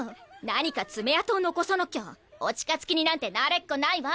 何か爪痕を残さなきゃお近づきになんてなれっこないわ。